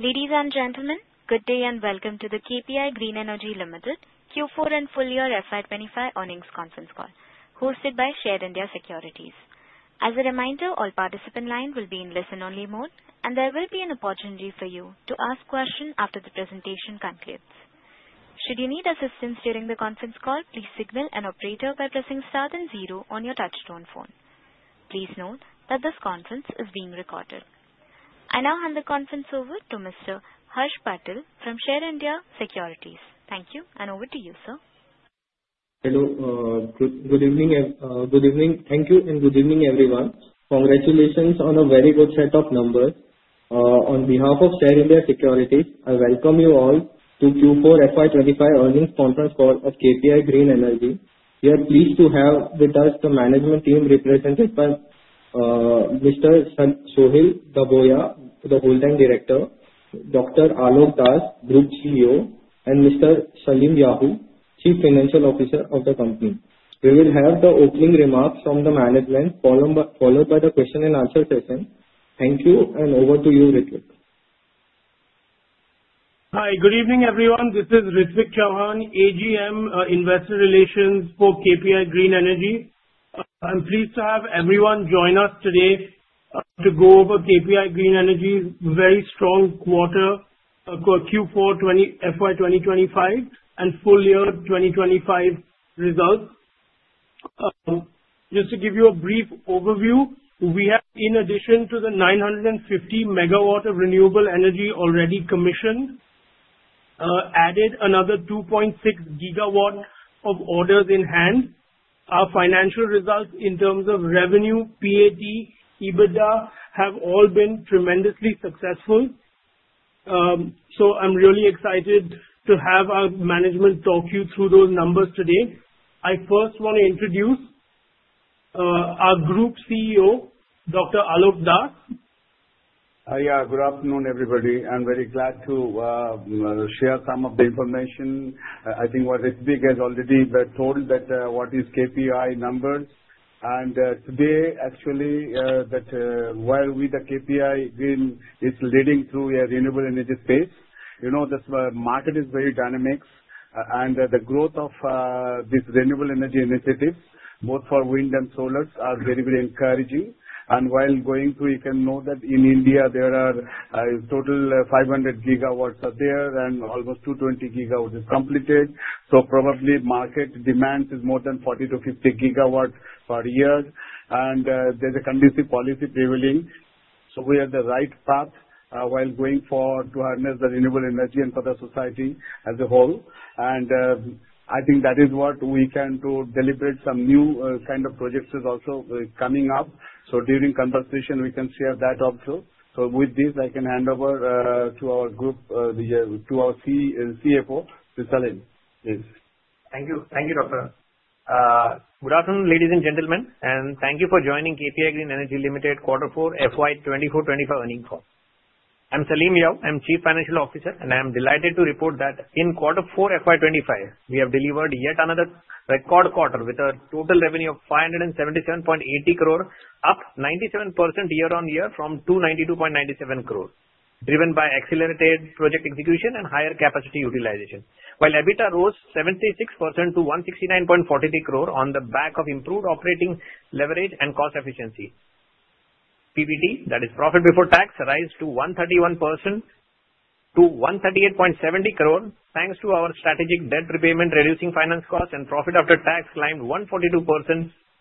Ladies and gentlemen, good day and welcome to the KPI Green Energy Limited Q4 and Full Year FY25 earnings conference call, hosted by Share India Securities. As a reminder, all participant lines will be in listen-only mode, and there will be an opportunity for you to ask questions after the presentation concludes. Should you need assistance during the conference call, please signal an operator by pressing star and zero on your touch-tone phone. Please note that this conference is being recorded. I now hand the conference over to Mr. Harsh Patel from Share India Securities. Thank you, and over to you, sir. Hello. Good evening. Thank you and good evening, everyone. Congratulations on a very good set of numbers. On behalf of Share India Securities, I welcome you all to Q4 FY25 Earnings Conference Call at KPI Green Energy. We are pleased to have with us the management team represented by Mr. Sohil Dabhoya, Whole Time Director, Dr. Alok Das, Group CEO, and Mr. Salim Vora, Chief Financial Officer of the company. We will have the opening remarks from the management, followed by the question-and-answer session. Thank you, and over to you, Ritvik. Hi. Good evening, everyone. This is Ritvik Chauhan, AGM Investor Relations for KPI Green Energy. I'm pleased to have everyone join us today to go over KPI Green Energy's very strong quarter, Q4 FY2025, and full year 2025 results. Just to give you a brief overview, we have, in addition to the 950 MWs of renewable energy already commissioned, added another 2.6 gigawatts of orders in hand. Our financial results in terms of revenue, PAT, EBITDA have all been tremendously successful. So I'm really excited to have our management talk you through those numbers today. I first want to introduce our Group CEO, Dr. Alok Das. Yeah. Good afternoon, everybody. I'm very glad to share some of the information. I think what Ritvik has already told, that what is KPI numbers. And today, actually, while we the KPI Green is leading through a renewable energy space, the market is very dynamic. And the growth of these renewable energy initiatives, both for wind and solar, are very, very encouraging. And while going through, you can know that in India, there are a total 500 gigawatts there, and almost 220 gigawatts is completed. So probably market demand is more than 40-50 gigawatts per year. And there's a conducive policy prevailing. So we are on the right path while going forward to harness the renewable energy and for the society as a whole. And I think that is what we can do, deliberate some new kind of projects is also coming up. So during conversation, we can share that also. So with this, I can hand over to our group, to our CFO, Mr. Salim. Yes. Thank you. Thank you, Doctor. Good afternoon, ladies and gentlemen. Thank you for joining KPI Green Energy Limited Q4 FY24-25 earnings call. I'm Salim Vora. I'm Chief Financial Officer. I'm delighted to report that in Q4 FY25, we have delivered yet another record quarter with a total revenue of 577.80 crore, up 97% year-on-year from 292.97 crore, driven by accelerated project execution and higher capacity utilization, while EBITDA rose 76% to 169.43 crore on the back of improved operating leverage and cost efficiency. PBT, that is profit before tax, rose 131% to 138.70 crore, thanks to our strategic debt repayment, reducing finance costs and profit after tax climbed 142%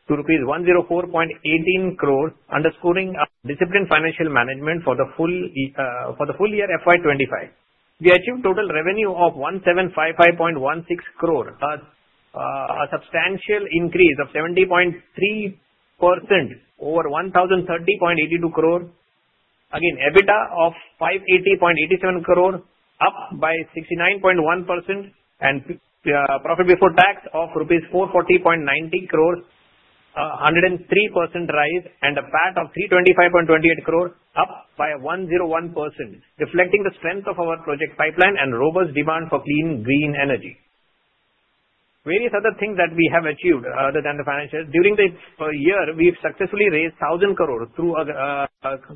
to rupees 104.18 crore, underscoring our disciplined financial management for the full year FY25. We achieved total revenue of 1755.16 crore, a substantial increase of 70.3% over 1030.82 crore. Again, EBITDA of 580.87 crore, up by 69.1%, and profit before tax of rupees 440.90 crore, 103% rise, and a PAT of 325.28 crore, up by 101%, reflecting the strength of our project pipeline and robust demand for clean green energy. Various other things that we have achieved other than the financial during the year. We have successfully raised 1,000 crore through a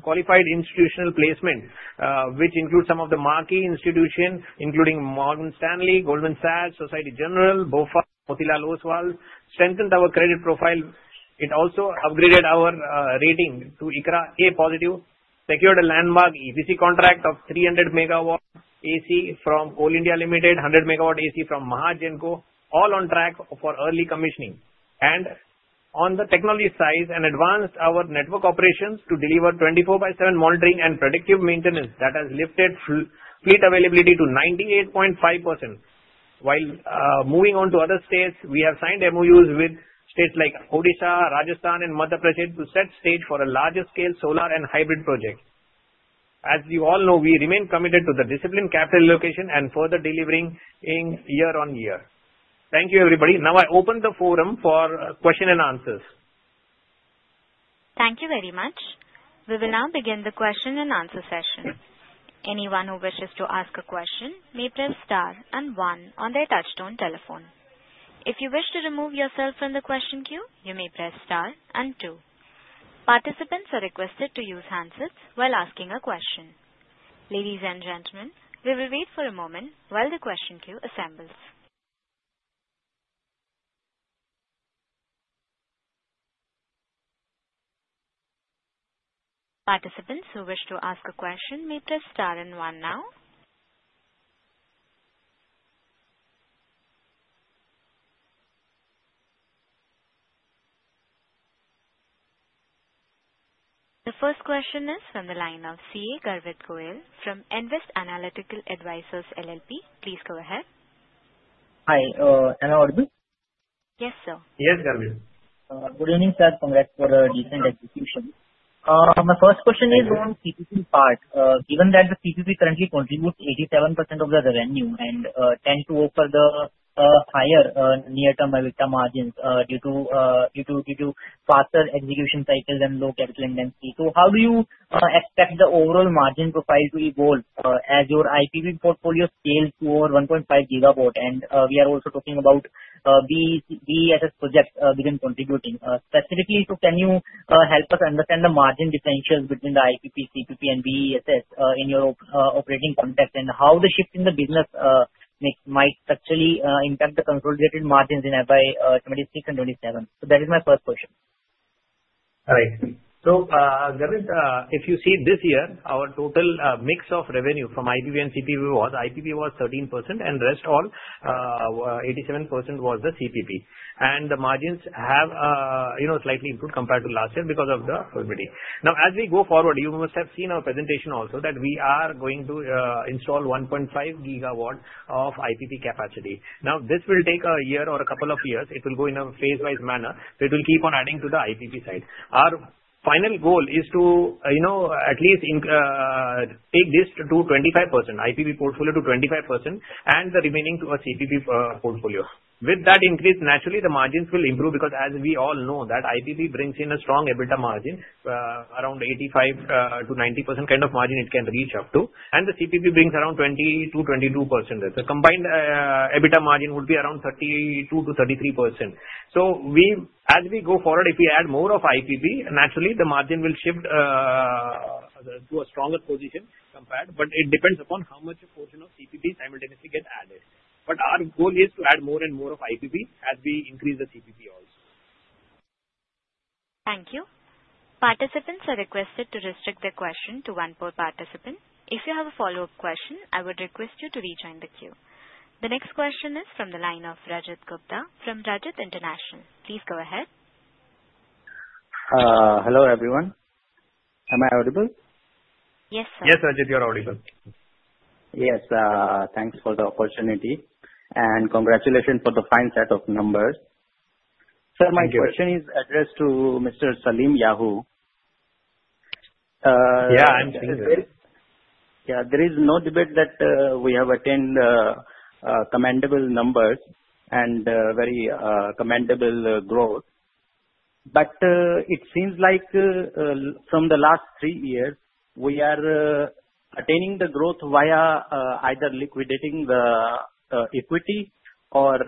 qualified institutional placement, which includes some of the marquee institutions, including Morgan Stanley, Goldman Sachs, Société Générale, BofA, Motilal Oswal, strengthened our credit profile. It also upgraded our rating to ICRA A Positive, secured a landmark EPC contract of 300 MWs AC from Coal India Limited, 100 MWs AC from Mahagenco, all on track for early commissioning. And on the technology side, advanced our network operations to deliver 24/7 monitoring and predictive maintenance that has lifted fleet availability to 98.5%. While moving on to other states, we have signed MOUs with states like Odisha, Rajasthan, and Madhya Pradesh to set stage for a larger scale solar and hybrid project. As you all know, we remain committed to the disciplined capital allocation and further delivering year-on-year. Thank you, everybody. Now I open the forum for questions and answers. Thank you very much. We will now begin the question and answer session. Anyone who wishes to ask a question may press star and one on their touch-tone telephone. If you wish to remove yourself from the question queue, you may press star and two. Participants are requested to use handsets while asking a question. Ladies and gentlemen, we will wait for a moment while the question queue assembles. Participants who wish to ask a question may press star and one now. The first question is from the line of CA Garvit Goyal from Nvest Analytical Advisors LLP. Please go ahead. Hi. Hello, Garvit? Yes, sir. Yes, Garvit. Good evening, sir. Congrats for the decent execution. My first question is on CPP part. Given that the CPP currently contributes 87% of the revenue and tends to offer the higher near-term EBITDA margins due to faster execution cycles and low capital intensity, so how do you expect the overall margin profile to evolve as your IPP portfolio scales toward 1.5 gigawatts? And we are also talking about BESS projects being contributing. Specifically, can you help us understand the margin differentials between the IPP, CPP, and BESS in your operating context, and how the shift in the business might actually impact the consolidated margins in FY26 and FY27? So that is my first question. All right. So Garvit, if you see this year, our total mix of revenue from IPP and CPP was IPP was 13%, and rest all 87% was the CPP. The margins have slightly improved compared to last year because of the liquidity. Now, as we go forward, you must have seen our presentation also that we are going to install 1.5 gigawatts of IPP capacity. Now, this will take a year or a couple of years. It will go in a phase-wise manner. So it will keep on adding to the IPP side. Our final goal is to at least take this to 25%, IPP portfolio to 25%, and the remaining to a CPP portfolio. With that increase, naturally, the margins will improve because, as we all know, that IPP brings in a strong EBITDA margin, around 85%-90% kind of margin it can reach up to. The CPP brings around 20%-22%. The combined EBITDA margin would be around 32%-33%. As we go forward, if we add more of IPP, naturally, the margin will shift to a stronger position compared. It depends upon how much portion of CPP simultaneously get added. Our goal is to add more and more of IPP as we increase the CPP also. Thank you. Participants are requested to restrict their question to one per participant. If you have a follow-up question, I would request you to rejoin the queue. The next question is from the line of Rajit Gupta from Rajat International. Please go ahead. Hello, everyone. Am I audible? Yes, sir. Yes, Rajit, you're audible. Yes. Thanks for the opportunity and congratulations for the fine set of numbers. Thank you. Sir, my question is addressed to Mr. Salim Vora. Yeah. I'm here. Yeah. There is no debate that we have attained commendable numbers and very commendable growth. But it seems like from the last three years, we are attaining the growth via either liquidating the equity or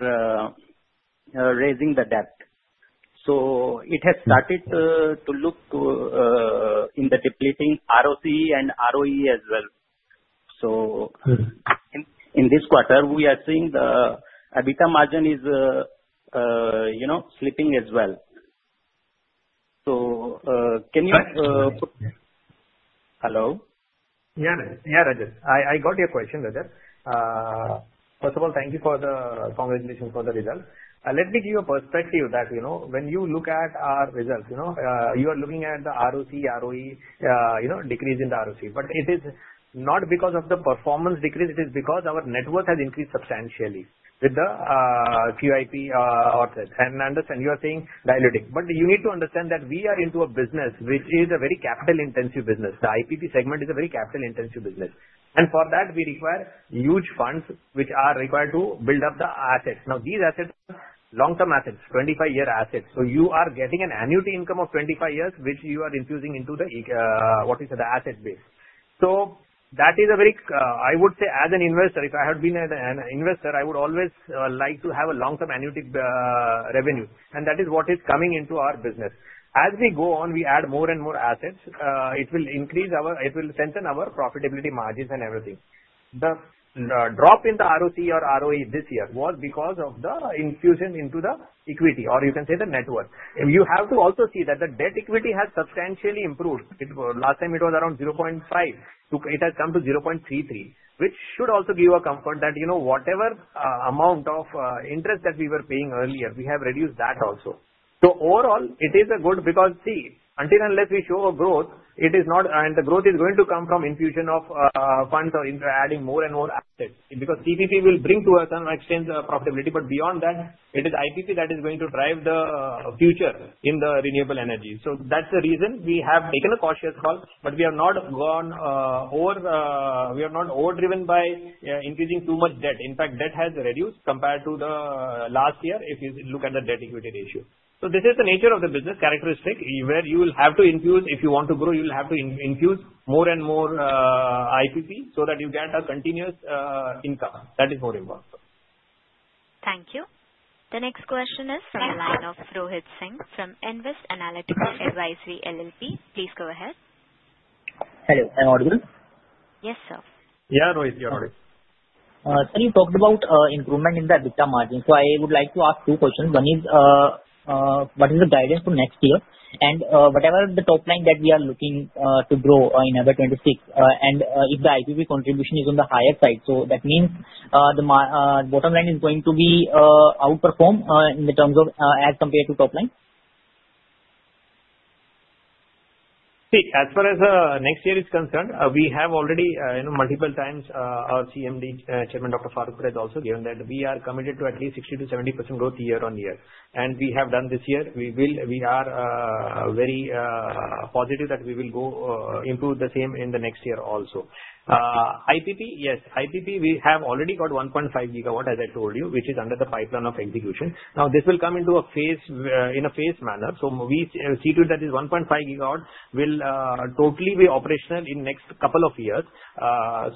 raising the debt. So it has started to look in the depleting ROC and ROE as well. So in this quarter, we are seeing the EBITDA margin is slipping as well. So can you? Yes. Hello? Yeah, Rajit. I got your question, Rajit. First of all, thank you for the congratulations for the results. Let me give you a perspective that when you look at our results, you are looking at the ROCE, ROE, decrease in the ROCE. But it is not because of the performance decrease. It is because our net worth has increased substantially with the QIP offset. And I understand you are saying diluting. But you need to understand that we are into a business which is a very capital-intensive business. The IPP segment is a very capital-intensive business. And for that, we require huge funds which are required to build up the assets. Now, these assets are long-term assets, 25-year assets. So you are getting an annuity income of 25 years, which you are infusing into the asset BESS. That is a very, I would say, as an investor, if I had been an investor, I would always like to have a long-term annuity revenue. And that is what is coming into our business. As we go on, we add more and more assets. It will increase our, it will strengthen our profitability margins and everything. The drop in the ROCE or ROE this year was because of the infusion into the equity, or you can say the net worth. You have to also see that the debt equity has substantially improved. Last time, it was around 0.5. It has come to 0.33, which should also give you a comfort that whatever amount of interest that we were paying earlier, we have reduced that also. So overall, it is a good because, see, until unless we show a growth, it is not, and the growth is going to come from infusion of funds or adding more and more assets because CPP will bring to us an exchange profitability. But beyond that, it is IPP that is going to drive the future in the renewable energy. So that's the reason we have taken a cautious call. But we have not gone over, we are not overdriven by increasing too much debt. In fact, debt has reduced compared to last year if you look at the debt equity ratio. So this is the nature of the business characteristic where you will have to infuse, if you want to grow, you will have to infuse more and more IPP so that you get a continuous income. That is more important. Thank you. The next question is from the line of Rohit Singh from Nvest Analytics Advisory LLP. Please go ahead. Hello. Am I audible? Yes, sir. Yeah, Rohit, you 're audible. So you talked about improvement in the EBITDA margin. So I would like to ask two questions. One is, what is the guidance for next year? And whatever the top line that we are looking to grow in FY26, and if the IPP contribution is on the higher side, so that means the bottom line is going to be outperformed in terms of as compared to top line? See, as far as next year is concerned, we have already multiple times our CMD Chairman, Dr. Faruk, has also given that we are committed to at least 60%-70% growth year on year, and we have done this year. We are very positive that we will improve the same in the next year also. IPP, yes. IPP, we have already got 1.5 gigawatts, as I told you, which is in the pipeline of execution. Now, this will come into a phased in a phased manner. So we see that this 1.5 gigawatt will totally be operational in the next couple of years.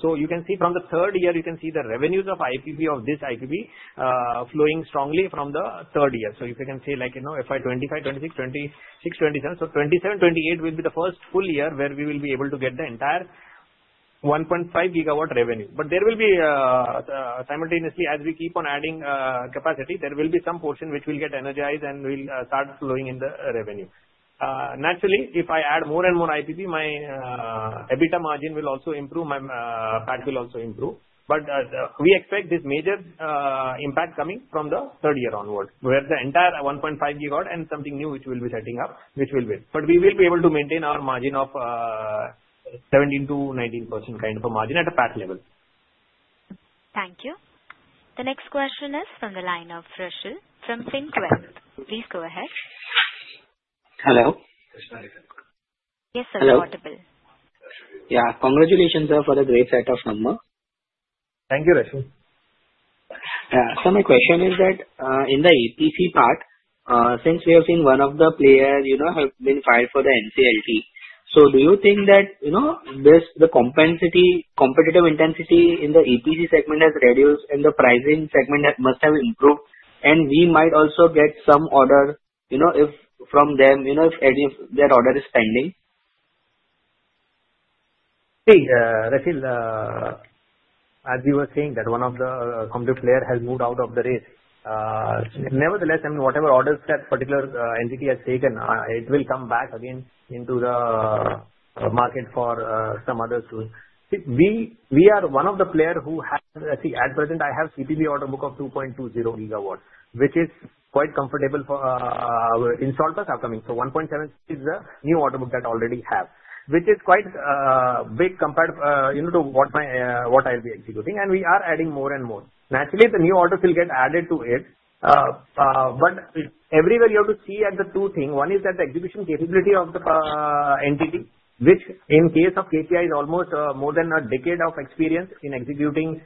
So you can see from the third year, you can see the revenues of IPP of this IPP flowing strongly from the third year. If you can see like FY25, 26, 27, so 27, 28 will be the first full year where we will be able to get the entire 1.5 gigawatt revenue. But there will be simultaneously, as we keep on adding capacity, there will be some portion which will get energized and will start flowing in the revenue. Naturally, if I add more and more IPP, my EBITDA margin will also improve. My PAT will also improve. But we expect this major impact coming from the third year onward, where the entire 1.5 gigawatt and something new which we will be setting up, which will wait. But we will be able to maintain our margin of 17%-19% kind of a margin at a PAT level. Thank you. The next question is from the line of Rachit from Finquest. Please go ahead. Hello. Yes, sir. Audible. Yeah. Congratulations, sir, for the great set of numbers. Thank you, Rachit. Yeah. So my question is that in the EPC part, since we have seen one of the players have been filed for the NCLT, so do you think that the competitive intensity in the EPC segment has reduced and the pricing segment must have improved? And we might also get some order from them if their order is pending. See, Rachit, as you were saying, that one of the company players has moved out of the race. Nevertheless, I mean, whatever orders that particular entity has taken, it will come back again into the market for some others too. We are one of the players who has, see, at present, I have CPP order book of 2.20 gigawatts, which is quite comfortable for installers upcoming. So 1.7 is the new order book that I already have, which is quite big compared to what I'll be executing. And we are adding more and more. Naturally, the new orders will get added to it. But everywhere you have to see at the two things. One is that the execution capability of the entity, which in case of KPI is almost more than a decade of experience in executing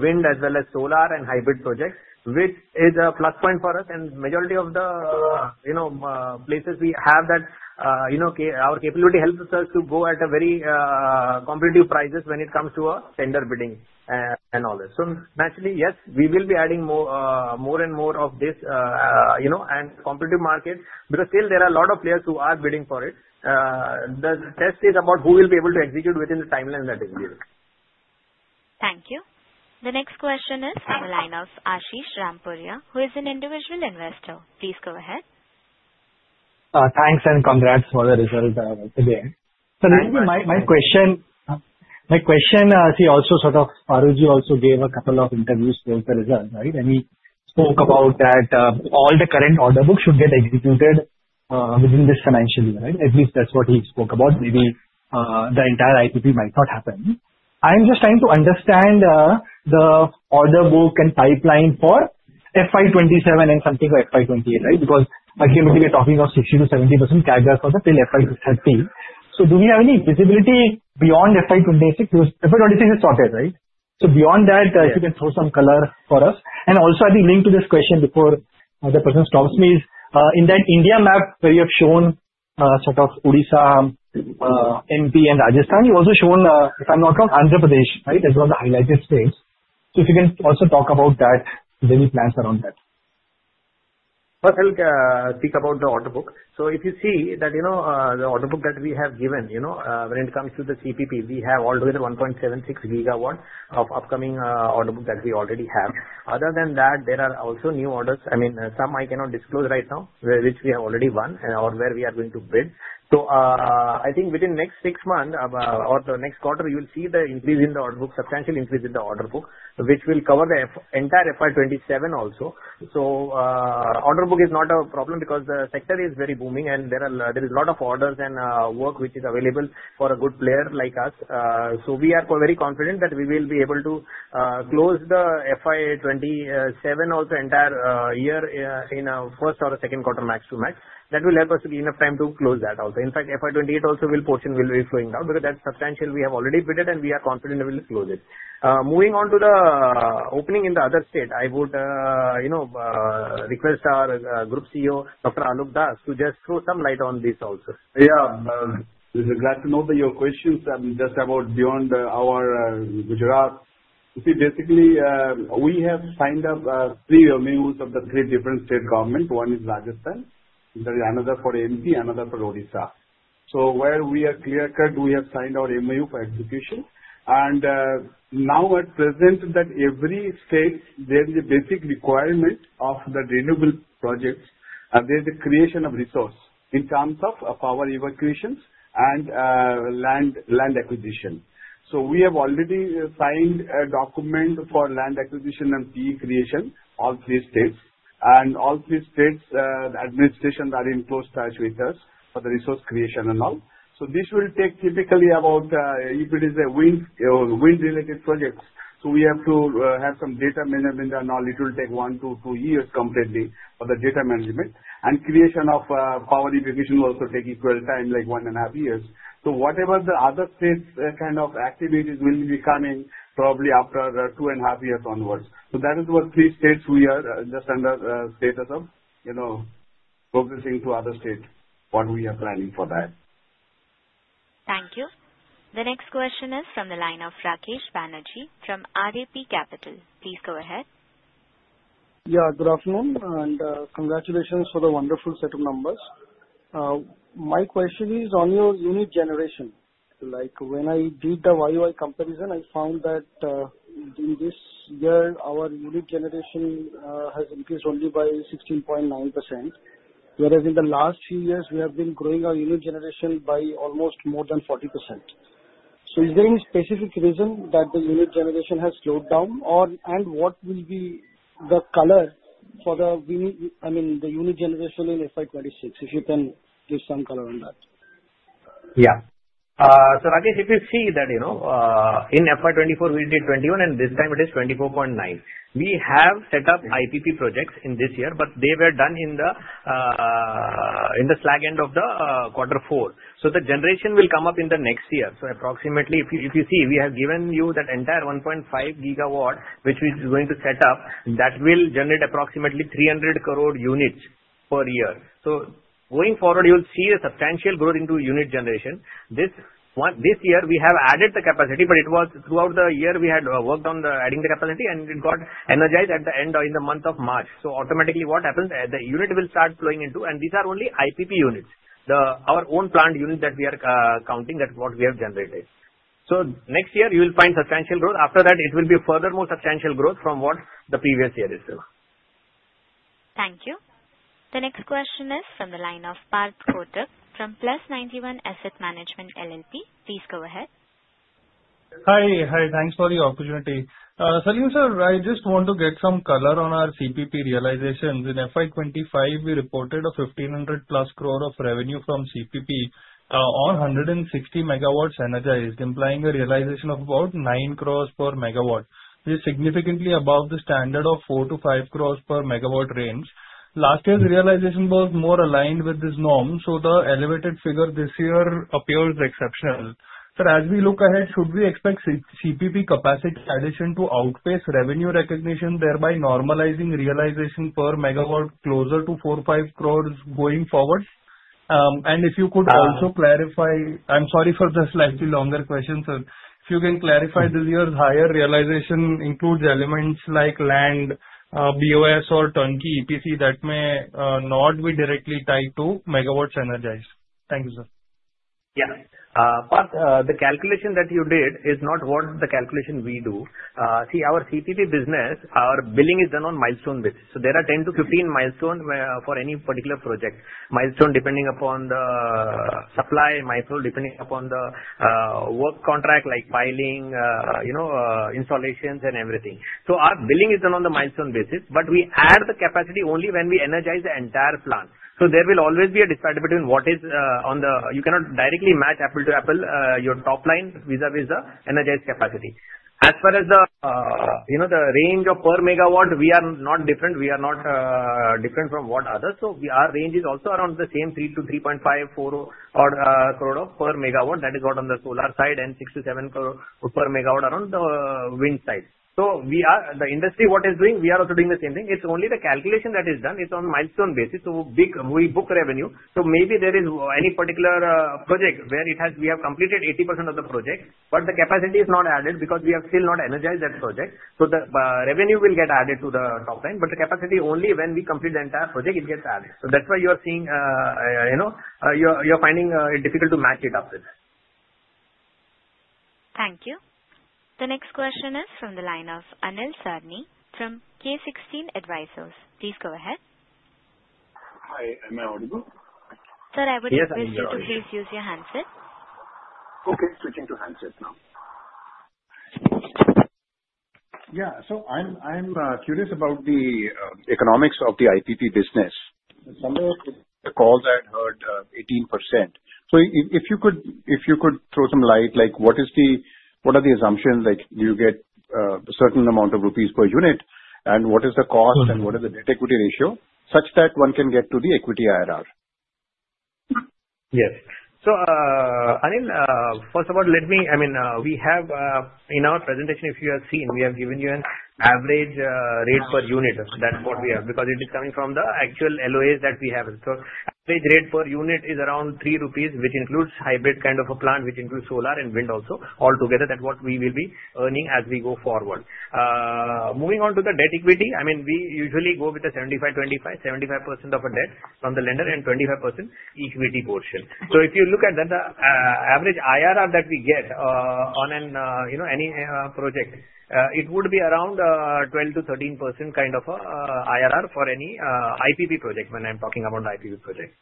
wind as well as solar and hybrid projects, which is a plus point for us. And majority of the places we have that our capability helps us to go at a very competitive prices when it comes to our tender bidding and all this. So naturally, yes, we will be adding more and more of this and competitive market because still there are a lot of players who are bidding for it. The test is about who will be able to execute within the timeline that is given. Thank you. The next question is from the line of Ashish Rampuria, who is an individual investor. Please go ahead. Thanks and congrats for the results today. So my question, see, also sort of Faruk ji also gave a couple of interviews towards the results, right? And he spoke about that all the current order book should get executed within this financial year, right? At least that's what he spoke about. Maybe the entire IPP might not happen. I'm just trying to understand the order book and pipeline for FY27 and something for FY28, right? Because ultimately, we're talking about 60%-70% CAGR for the till FY23. So do we have any visibility beyond FY26? Because FY26 is sorted, right? So beyond that, if you can throw some color for us. And also, I think link to this question before the person stops me is in that India map where you have shown sort of Odisha, MP, and Rajasthan, you also shown, if I'm not wrong, Andhra Pradesh, right? That was the highlighted space. So if you can also talk about that, maybe plans around that. First, I'll speak about the order book. So if you see that the order book that we have given, when it comes to the CPP, we have all together 1.76 gigawatts of upcoming order book that we already have. Other than that, there are also new orders. I mean, some I cannot disclose right now, which we have already won or where we are going to bid. So I think within next six months or the next quarter, you will see the increase in the order book, substantial increase in the order book, which will cover the entire FY27 also. So order book is not a problem because the sector is very booming, and there is a lot of orders and work which is available for a good player like us. We are very confident that we will be able to close the FY27 also, entire year in a first or a second quarter max to max. That will help us to give enough time to close that also. In fact, FY28 also, portion will be flowing down because that's substantial. We have already bid, and we are confident we will close it. Moving on to the opening in the other state, I would request our Group CEO, Dr. Alok Das, to just throw some light on this also. Yeah. This is good to know that your questions just about beyond our Gujarat. See, basically, we have signed up three MOUs of the three different state governments. One is Rajasthan. There is another for MP, another for Odisha. So where we are clear-cut, we have signed our MOU for execution. And now at present, that every state, there is a basic requirement of the renewable projects, and there is a creation of resource in terms of power evacuations and land acquisition. So we have already signed a document for land acquisition and PE creation in all three states. And all three states, the administrations are in close touch with us for the resource creation and all. So this will take typically about, if it is a wind-related project, so we have to have some data management and all. It will take one to two years completely for the data management. And creation of power evacuation will also take equal time, like one and a half years. So whatever the other states' kind of activities will be coming, probably after two and a half years onwards. So that is what three states we are just under the status of progressing to other states, what we are planning for that. Thank you. The next question is from the line of Rakesh Banerjee from RAP Capital. Please go ahead. Yeah. Good afternoon, and congratulations for the wonderful set of numbers. My question is on your unit generation. When I did the YY comparison, I found that in this year, our unit generation has increased only by 16.9%, whereas in the last few years, we have been growing our unit generation by almost more than 40%. So is there any specific reason that the unit generation has slowed down? And what will be the color for the, I mean, the unit generation in FY26, if you can give some color on that? Yeah. So Rakesh, if you see that in FY24, we did 21, and this time it is 24.9. We have set up IPP projects in this year, but they were done in the slack end of the quarter four. So the generation will come up in the next year. So approximately, if you see, we have given you that entire 1.5 gigawatt, which we are going to set up, that will generate approximately 300 crore units per year. So going forward, you'll see a substantial growth into unit generation. This year, we have added the capacity, but it was throughout the year we had worked on adding the capacity, and it got energized at the end in the month of March. So, automatically, what happens is the unit will start flowing into, and these are only IPP units, our own planned units that we are counting, that what we have generated. So, next year, you will find substantial growth. After that, it will be furthermore substantial growth from what the previous year is. Thank you. The next question is from the line of Parth Kotak from Plus91 Asset Management LLP. Please go ahead. Hi. Hi. Thanks for the opportunity. Sir, I just want to get some color on our CPP realizations. In FY25, we reported a 1,500-plus crore of revenue from CPP on 160 MW energized, implying a realization of about 9 crores per MW which is significantly above the standard of 4-5 crores per MW range. Last year's realization was more aligned with this norm, so the elevated figure this year appears exceptional. Sir, as we look ahead, should we expect CPP capacity addition to outpace revenue recognition, thereby normalizing realization per MW closer to 4,500 crores going forward? And if you could also clarify, I'm sorry for the slightly longer question, sir, if you can clarify this year's higher realization includes elements like land, BOS, or turnkey EPC that may not be directly tied to MW energized. Thank you, sir. Yeah. Parth, the calculation that you did is not what the calculation we do. See, our CPP business, our billing is done on milestone basis. So there are 10-15 milestones for any particular project, milestone depending upon the supply, milestone depending upon the work contract, like piling, installations, and everything. So our billing is done on the milestone basis, but we add the capacity only when we energize the entire plant. So there will always be a disparity between what is on the—you cannot directly match apple to apple your top line vis-à-vis the energized capacity. As far as the range of per MW, we are not different. We are not different from what others. So our range is also around the same 3-3.5, 4 crore per MW that is got on the solar side and 6-7 core per MW around the wind side. So the industry what is doing, we are also doing the same thing. It's only the calculation that is done. It's on milestone basis. So we book revenue. So maybe there is any particular project where we have completed 80% of the project, but the capacity is not added because we have still not energized that project. So the revenue will get added to the top line, but the capacity only when we complete the entire project, it gets added. So that's why you are seeing—you're finding it difficult to match it up with that. Thank you. The next question is from the line of Anil Sarin from K16 Advisors. Please go ahead. Hi. Am I audible? Sir, I would request you to please use your handset. Okay. Switching to handset now. Yeah. So I'm curious about the economics of the IPP business. Somewhere in the call, I had heard 18%. So if you could throw some light, what are the assumptions? Do you get a certain amount of rupees per unit, and what is the cost, and what is the net equity ratio such that one can get to the equity IRR? Yes. So Anil, first of all, let me—I mean, we have in our presentation, if you have seen, we have given you an average rate per unit. That's what we have because it is coming from the actual LOAs that we have. So average rate per unit is around 3 rupees, which includes hybrid kind of a plant, which includes solar and wind also altogether. That's what we will be earning as we go forward. Moving on to the debt equity, I mean, we usually go with the 75-25, 75% of a debt from the lender and 25% equity portion. So if you look at that, the average IRR that we get on any project, it would be around 12%-13% kind of an IRR for any IPP project when I'm talking about IPP projects.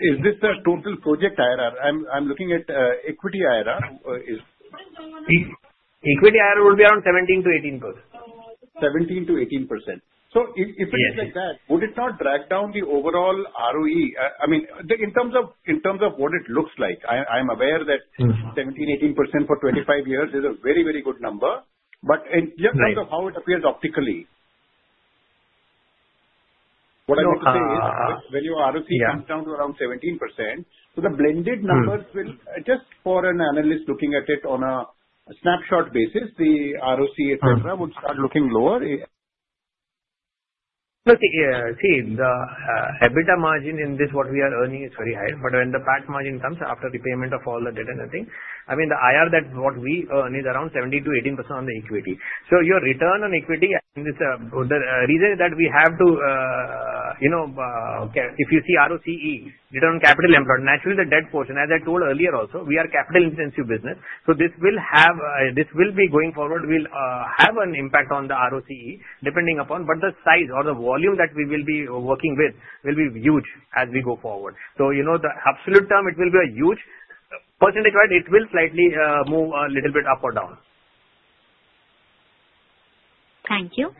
Is this the total project IRR? I'm looking at equity IRR. Equity IRR would be around 17%-18%. 17%-18%. So if it is like that, would it not drag down the overall ROE? I mean, in terms of what it looks like, I am aware that 17%-18% for 25 years is a very, very good number. But in terms of how it appears optically, what I mean to say is when your ROC comes down to around 17%, so the blended numbers will just for an analyst looking at it on a snapshot basis, the ROC, etc., would start looking lower. Look, see, the EBITDA margin in this, what we are earning is very high. But when the PAT margin comes after repayment of all the debt and everything, I mean, the IRR that what we earn is around 17%-18% on the equity. So your return on equity, and the reason is that we have to - if you see ROCE, return on capital employed, naturally the debt portion, as I told earlier also, we are capital-intensive business. So this will have - this will be going forward, will have an impact on the ROCE depending upon, but the size or the volume that we will be working with will be huge as we go forward. So the absolute term, it will be a huge percentage-wise, it will slightly move a little bit up or down. Thank you.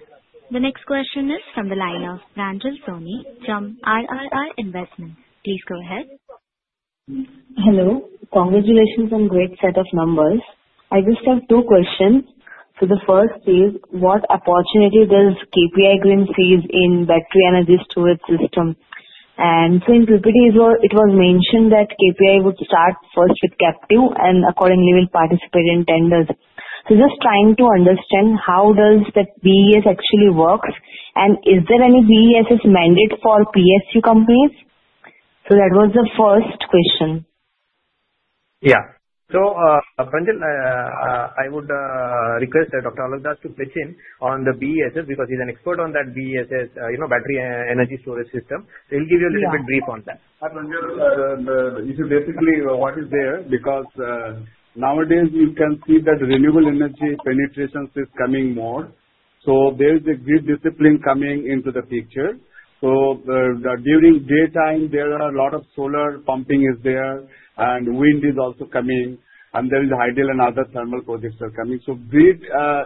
The next question is from the line of Pranjal Soni from RRR Investments. Please go ahead. Hello. Congratulations on great set of numbers. I just have two questions. So the first is, what opportunity does KPI Green see in battery energy storage system? And so in PPT, it was mentioned that KPI would start first with CPP, and accordingly, we'll participate in tenders. So just trying to understand how does that BESS actually works, and is there any BESS mandate for PSU companies? So that was the first question. Yeah. So Pranjal, I would request Dr. Alok Das to pitch in on the BESS because he's an expert on that BESS, battery energy storage system. So he'll give you a little bit brief on that. Pranjal, if you basically what is there because nowadays you can see that renewable energy penetration is coming more, so there is a grid discipline coming into the picture, so during daytime, there are a lot of solar pumping is there, and wind is also coming, and there is hydro and other thermal projects are coming, so grid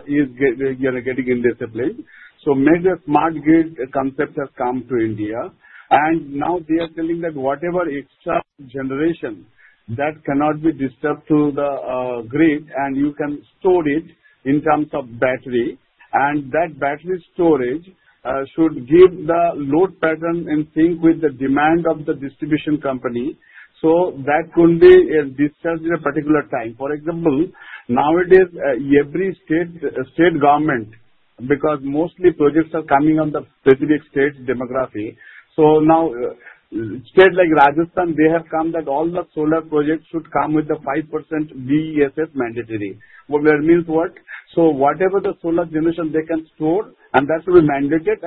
is getting indisciplined, so maybe a smart grid concept has come to India, and now they are telling that whatever extra generation that cannot be distributed to the grid, and you can store it in terms of battery, and that battery storage should give the load pattern and sync with the demand of the distribution company, so that could be discharged at a particular time. For example, nowadays, every state government, because mostly projects are coming on the specific state demography. States like Rajasthan have come out that all the solar projects should come with the 5% BESS mandatory. What that means what? Whatever the solar generation, they can store, and that will be mandated.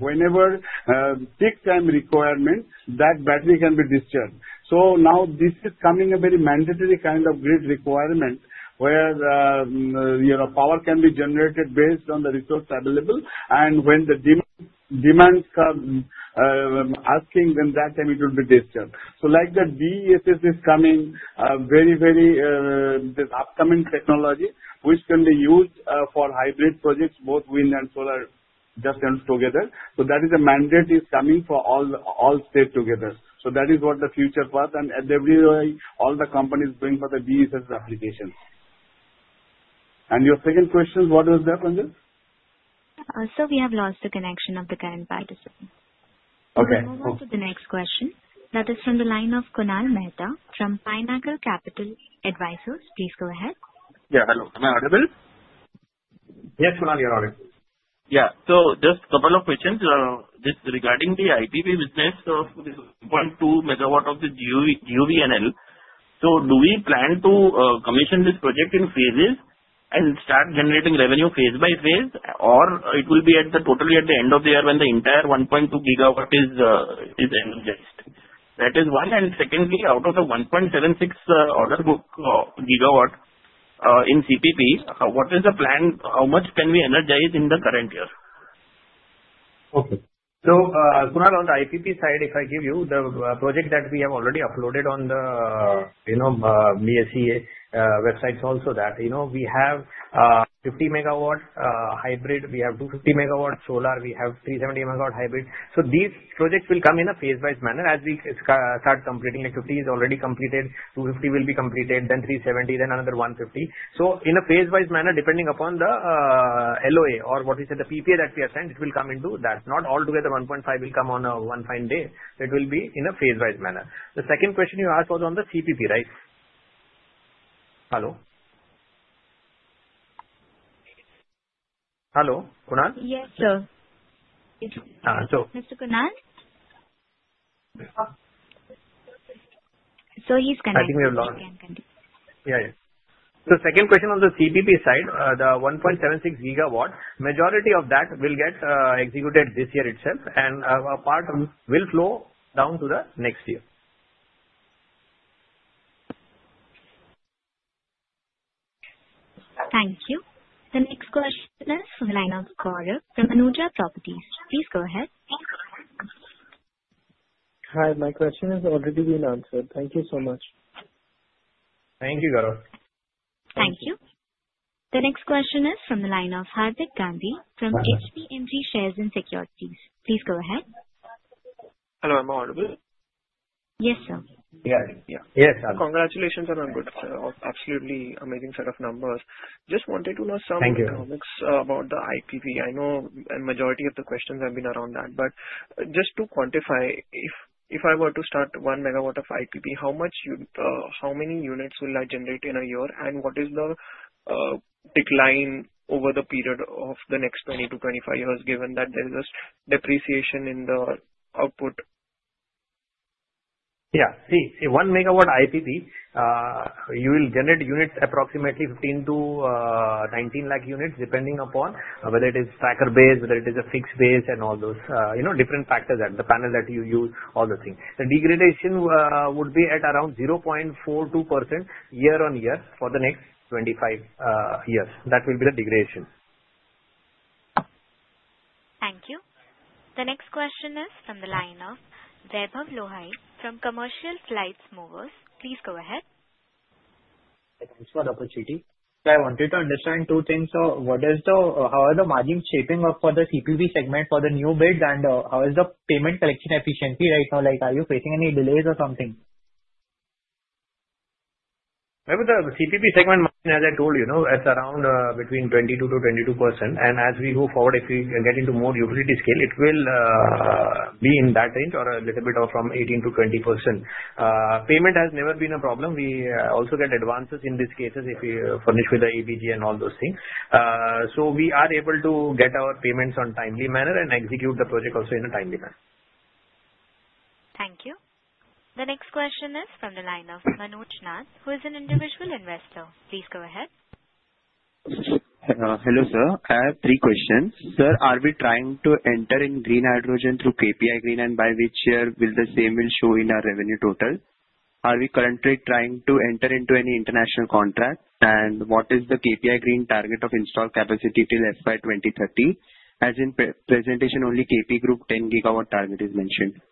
Whenever peak time requirement, that battery can be discharged. This is coming as a very mandatory kind of grid requirement where power can be generated based on the resource available. When the demand comes at that time, it will be discharged. Like the BESS is coming very, very as this upcoming technology, which can be used for hybrid projects, both wind and solar just together. That is a mandate coming for all states together. That is what the future path is. Anyway, all the companies bring for the BESS application. Your second question, what was that, Pranjal? So we have lost the connection of the current participant. We'll move on to the next question. That is from the line of Kunal Mehta from Pineapple Capital Advisors. Please go ahead. Yeah. Hello. Am I audible? Yes, Kunal, you're audible. Yeah. So just a couple of questions regarding the IPP business of 12 MW of the GUVNL. So do we plan to commission this project in phases and start generating revenue phase by phase, or it will be totally at the end of the year when the entire 1.2 gigawatt is energized? That is one. And secondly, out of the 1.76 other gigawatt in CPP, what is the plan? How much can we energize in the current year? Okay. So Kunal, on the IPP side, if I give you the project that we have already uploaded on the BSE websites also, that we have 50 mMW hybrid, we have 250 MW solar, we have 370 MW hybrid. So these projects will come in a phase-wise manner as we start completing. Like 50 is already completed, 250 will be completed, then 370, then another 150. So in a phase-wise manner, depending upon the LOA or what is the PPA that we assigned, it will come into that. Not altogether 1.5 will come on a one fine day. It will be in a phase-wise manner. The second question you asked was on the CPP, right? Hello? Hello? Kunal? Yes, sir. Mr. Kunal? So he's connected. I think we have lost. Yeah, yeah. So second question on the CPP side, the 1.76 gigawatt, majority of that will get executed this year itself, and a part will flow down to the next year. Thank you. The next question is from the line of Gaurav from Anuja Properties. Please go ahead. Hi. My question has already been answered. Thank you so much. Thank you, Gaurav. Thank you. The next question is from the line of Hardik Gandhi from HPMG Shares and Securities. Please go ahead. Hello. Am I audible? Yes, sir. Yeah. Yes, sir. Congratulations on a good, absolutely amazing set of numbers. Just wanted to know some economics about the IPP. I know majority of the questions have been around that. But just to quantify, if I were to start one MW of IPP, how many units will I generate in a year, and what is the decline over the period of the next 20-25 years, given that there is a depreciation in the output? Yeah. See, one MW IPP, you will generate units approximately 15 to 19 lakh units, depending upon whether it is tracker-based, whether it is a fixed-based, and all those different factors that the panel that you use, all the things. The degradation would be at around 0.42% year on year for the next 25 years. That will be the degradation. Thank you. The next question is from the line of Vaibhav Lohia from Commercial Finance. Please go ahead. Thanks for the opportunity. So I wanted to understand two things. What, how are the margins shaping up for the CPP segment for the new bids, and how is the payment collection efficiency right now? Are you facing any delays or something? Maybe the CPP segment, as I told you, it's around between 22%-22%. And as we move forward, if we get into more utility scale, it will be in that range or a little bit from 18%-20%. Payment has never been a problem. We also get advances in these cases if we furnish with the ABG and all those things. So we are able to get our payments on a timely manner and execute the project also in a timely manner. Thank you. The next question is from the line of Manoj Nath, who is an individual investor. Please go ahead. Hello, sir. I have three questions. Sir, are we trying to enter in green hydrogen through KPI Green, and by which year will the same show in our revenue total? Are we currently trying to enter into any international contract, and what is the KPI Green target of installed capacity till FY 2030? As in presentation, only KP Group 10 gigawatt target is mentioned.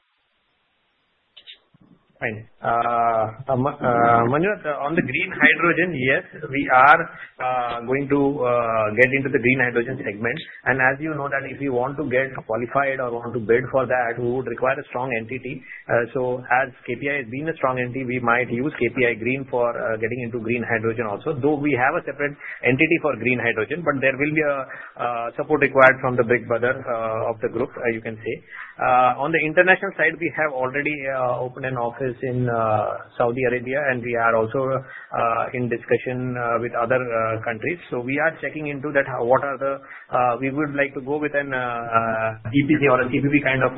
Manuj, on the green hydrogen, yes, we are going to get into the green hydrogen segment, and as you know, that if we want to get qualified or want to bid for that, we would require a strong entity. So as KPI has been a strong entity, we might use KPI Green for getting into green hydrogen also. Though we have a separate entity for green hydrogen, but there will be a support required from the big brother of the group, you can say. On the international side, we have already opened an office in Saudi Arabia, and we are also in discussion with other countries. So we are checking into that what are the we would like to go with an EPC or a CPP kind of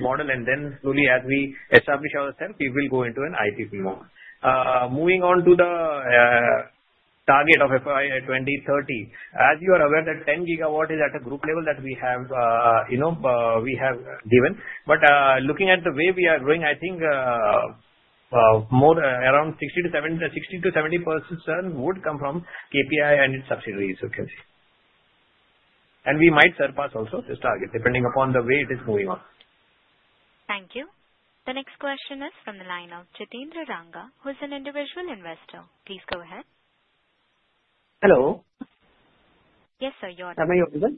model, and then slowly, as we establish ourselves, we will go into an IPP model. Moving on to the target of FY 2030, as you are aware, that 10 gigawatt is at a group level that we have given, but looking at the way we are growing, I think more around 60%-70% would come from KPI and its subsidiaries, you can say, and we might surpass also this target, depending upon the way it is moving on. Thank you. The next question is from the line of Jitendra Ranga, who is an individual investor. Please go ahead. Hello. Yes, sir. You're audible. Tell me your reason.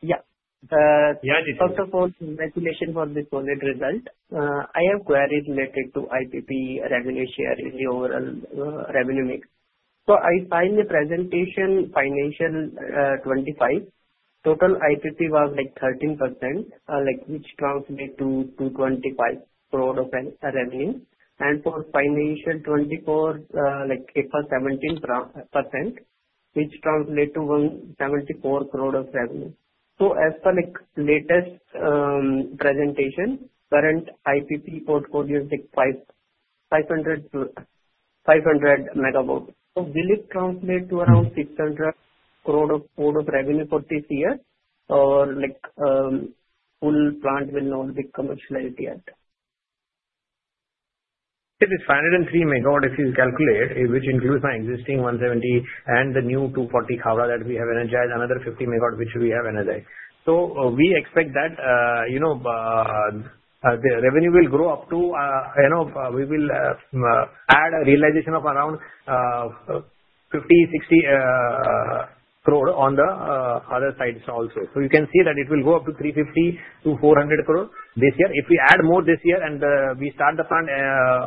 Yeah. Yeah, Jitendra. First of all, congratulations for this solid result. I have queries related to IPP revenue share in the overall revenue mix. So I signed the presentation financial 25. Total IPP was like 13%, which translates to 225 crore of revenue. And for financial 24, it was 17%, which translates to 174 crore of revenue. So as per latest presentation, current IPP portfolio is like 500 MW. So will it translate to around 600 crore of revenue for this year, or full plant will not be commercialized yet? It is 503 MW if you calculate, which includes my existing 170 and the new 240 Khavda that we have energized, another 50 MW which we have energized. So we expect that the revenue will grow up to we will add a realization of around 50-60 crore on the other sides also. So you can see that it will go up to 350-400 crore this year. If we add more this year and we start the plant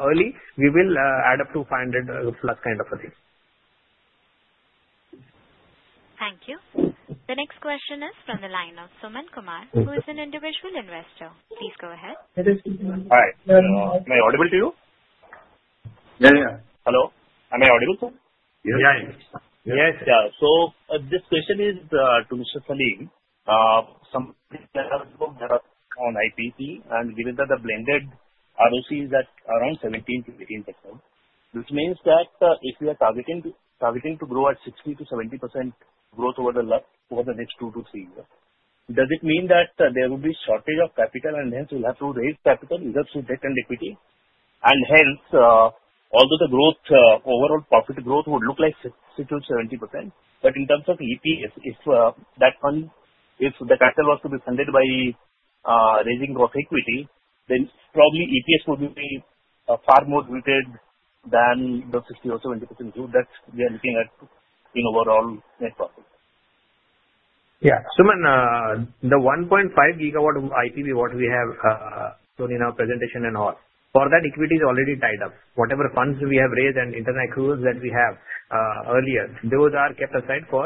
early, we will add up to 500 plus kind of a thing. Thank you. The next question is from the line of Soman Kumar, who is an individual investor. Please go ahead. All right. Am I audible to you? Yeah, yeah. Hello. Am I audible to you? Yes. Yeah, yeah. Yes. So this question is to Mr. Salim. Some people are on IPP, and given that the blended ROC is at around 17%-18%, which means that if we are targeting to grow at 60%-70% growth over the next two to three years, does it mean that there will be shortage of capital, and hence we'll have to raise capital either through debt and equity? Hence, although the growth, overall profit growth would look like 60%-70%, but in terms of EPS, if the capital was to be funded by raising equity, then probably EPS would be far more diluted than the 60 or 70% growth that we are looking at in overall net profit. Yeah. Soman, the 1.5 gigawatt of IPP what we have shown in our presentation and all, for that equity is already tied up. Whatever funds we have raised and internal accruals that we have earlier, those are kept aside for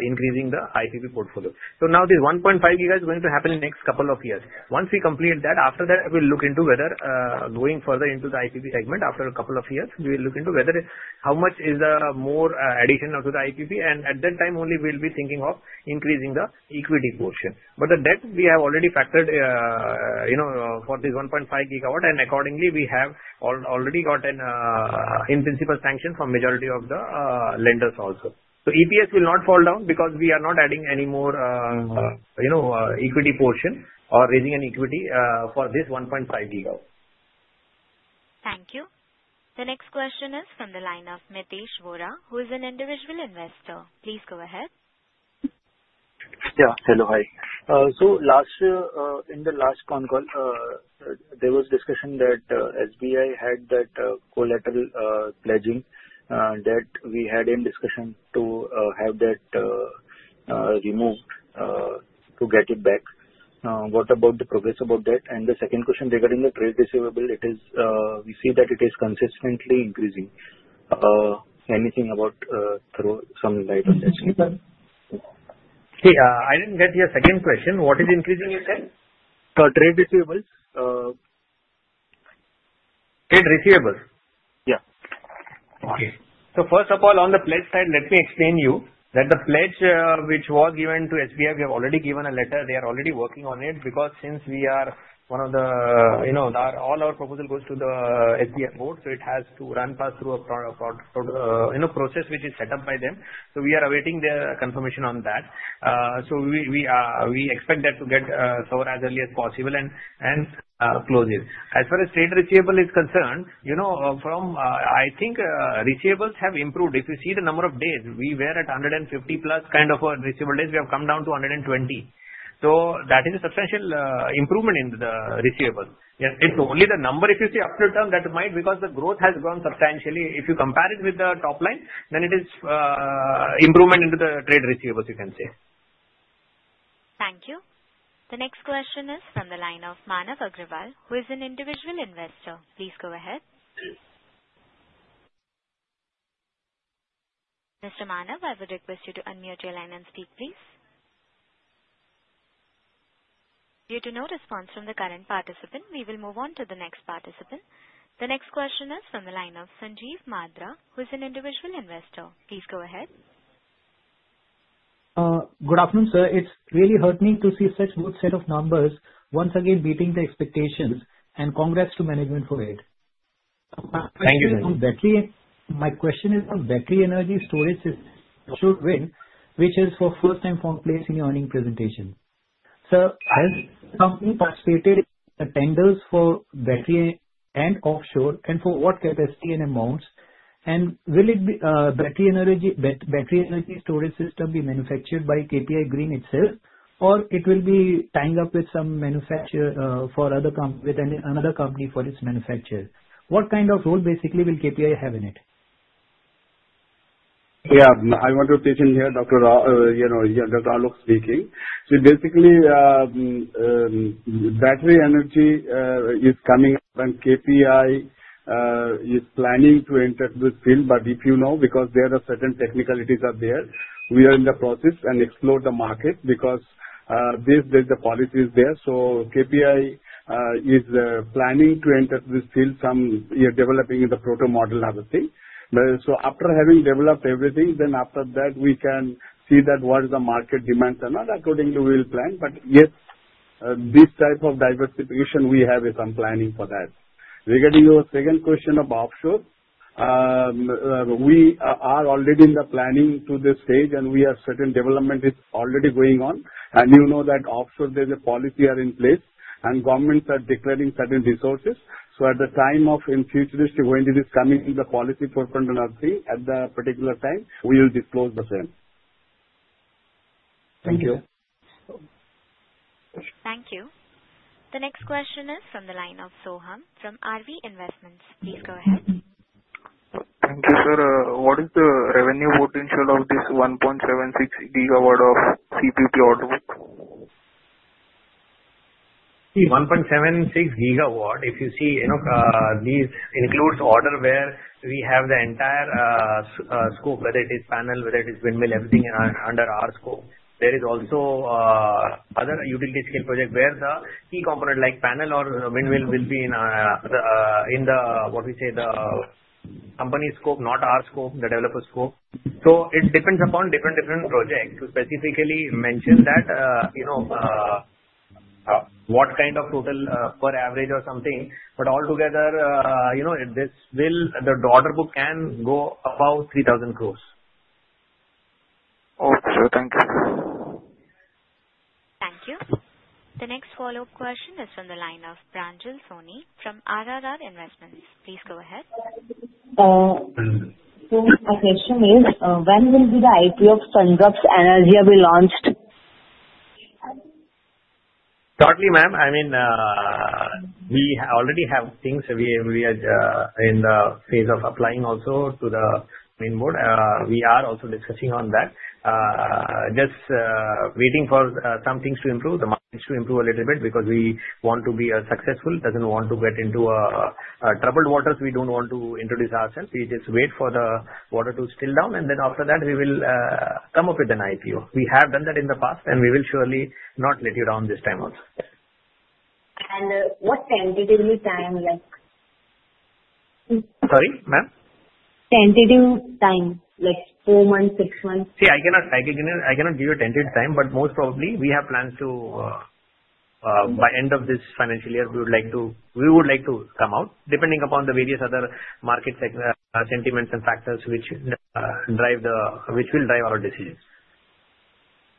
increasing the IPP portfolio. So now this 1.5 gigawatt is going to happen in the next couple of years. Once we complete that, after that, we'll look into whether going further into the IPP segment after a couple of years, we'll look into how much is the more addition to the IPP. And at that time only, we'll be thinking of increasing the equity portion. But the debt, we have already factored for this 1.5 gigawatt, and accordingly, we have already gotten in principle sanction from majority of the lenders also. EPS will not fall down because we are not adding any more equity portion or raising any equity for this 1.5 gigawatt. Thank you. The next question is from the line of Mitesh Vora, who is an individual investor. Please go ahead. Yeah. Hello, hi. So in the last phone call, there was discussion that SBI had that collateral pledging that we had in discussion to have that removed to get it back. What about the progress about that? And the second question regarding the trade receivable, we see that it is consistently increasing. Anything about some light on that? See, I didn't get your second question. What is increasing, you said? Trade receivables. Trade receivables? Yeah. Okay. So first of all, on the pledge side, let me explain to you that the pledge which was given to SBI. We have already given a letter. They are already working on it because since we are one of the all our proposal goes to the SBI board, so it has to run past through a process which is set up by them. So we are awaiting their confirmation on that. So we expect that to get so as early as possible and close it. As far as trade receivable is concerned, I think receivables have improved. If you see the number of days, we were at 150 plus kind of receivables. We have come down to 120. So that is a substantial improvement in the receivables. It's only the number. If you see up to the term, that might be because the growth has grown substantially. If you compare it with the top line, then it is an improvement in the trade receivables, you can say. Thank you. The next question is from the line of Manav Agarwal, who is an individual investor. Please go ahead. Mr. Manav, I would request you to unmute your line and speak, please. Due to no response from the current participant, we will move on to the next participant. The next question is from the line of Sanjeev Madra, who is an individual investor. Please go ahead. Good afternoon, sir. It's really heartening to see such a good set of numbers once again beating the expectations, and congrats to management for it. Thank you. My question is on battery energy storage. Is offshore wind, which is for first and fourth place in the earnings presentation. Sir, has the company participated in the tenders for battery and offshore, and for what capacity and amounts? And will battery energy storage system be manufactured by KPI Green itself, or it will be tying up with some manufacturer for another company for its manufacturer? What kind of role basically will KPI have in it? Yeah. I want to take in here, Dr. Alok speaking. So basically, battery energy is coming up, and KPI is planning to enter this field. But if you know, because there are certain technicalities out there, we are in the process and explore the market because there's the policies there. So KPI is planning to enter this field. We are developing the proto model and everything. So after having developed everything, then after that, we can see that what is the market demands or not according to the wheeling plan. But yes, this type of diversification we have some planning for that. Regarding your second question about offshore, we are already in the planning to this stage, and we have certain development is already going on. And you know that offshore, there's a policy in place, and governments are declaring certain resources. So at the time of infusion, it's going to this coming in the policy for funding and everything at the particular time, we will disclose the same. Thank you. Thank you. The next question is from the line of Soham from RV Investments. Please go ahead. Thank you, sir. What is the revenue potential of this 1.76 gigawatt of CPP order? See, 1.76 gigawatt, if you see, this includes order where we have the entire scope, whether it is panel, whether it is windmill, everything under our scope. There is also other utility scale project where the key component like panel or windmill will be in the, what we say, the company scope, not our scope, the developer scope. So it depends upon different projects to specifically mention that what kind of total per average or something. But altogether, this will the order book can go above 3,000 crores. Okay, sir. Thank you. Thank you. The next follow-up question is from the line of Pranjal Soni from RRR Investments. Please go ahead. My question is, when will the IPO of Sun Drops Energy be launched? Shortly, ma'am. I mean, we already have things. We are in the phase of applying also to the main board. We are also discussing on that. Just waiting for some things to improve, the markets to improve a little bit because we want to be successful. Don't want to get into troubled waters. We don't want to intrude ourselves. We just wait for the waters to settle down, and then after that, we will come up with an IPO. We have done that in the past, and we will surely not let you down this time also. What tentative time? Sorry, ma'am? Tentative time, like four months, six months? See, I cannot give you a tentative time, but most probably, we have plans to, by end of this financial year, we would like to come out, depending upon the various other market sentiments and factors which will drive our decisions.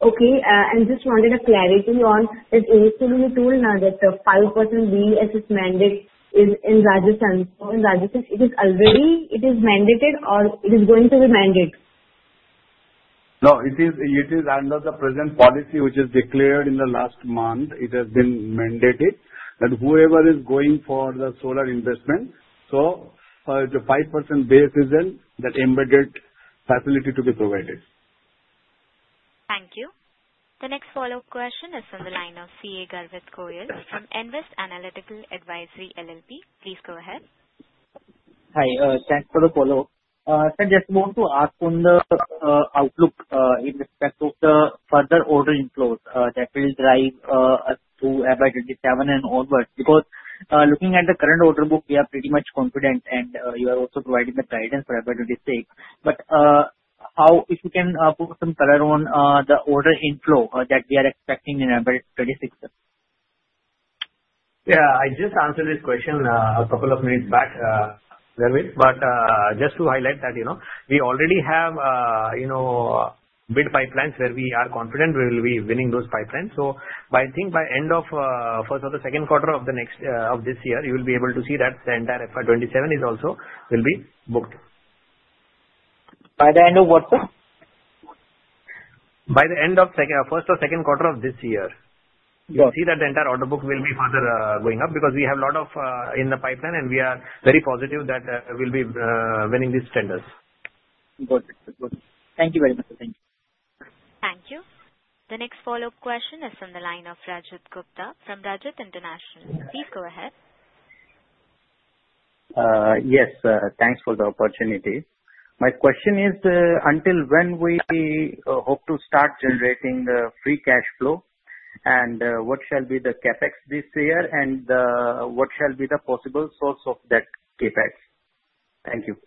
Okay. I just wanted to clarify on this actually now that the 5% BESS mandate is in Rajasthan. So in Rajasthan, it is already mandated or it is going to be mandated? No, it is under the present policy which is declared in the last month. It has been mandated that whoever is going for the solar investment, so the 5% base isn't that embedded facility to be provided. Thank you. The next follow-up question is from the line of CA Garvit Goyal from Nvest Analytical Advisors LLP. Please go ahead. Hi. Thanks for the follow-up. I just want to ask on the outlook in respect of the further order inflows that will drive us to FY27 and onwards. Because looking at the current order book, we are pretty much confident, and you are also providing the guidance for FY26. But if you can put some color on the order inflow that we are expecting in FY26? Yeah. I just answered this question a couple of minutes back, but just to highlight that we already have bid pipelines where we are confident we will be winning those pipelines. So I think by end of first or the second quarter of this year, you will be able to see that the entire EBA 27 will be booked. By the end of what? By the end of first or second quarter of this year. You see that the entire order book will be further going up because we have a lot in the pipeline, and we are very positive that we will be winning these tenders. Got it. Thank you very much. Thank you. Thank you. The next follow-up question is from the line of Rajit Gupta from Rajat International. Please go ahead. Yes. Thanks for the opportunity. My question is, until when we hope to start generating the free cash flow, and what shall be the CapEx this year, and what shall be the possible source of that CapEx? Thank you.